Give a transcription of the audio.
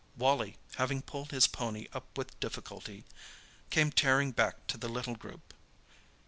Wally, having pulled his pony up with difficulty, came tearing back to the little group.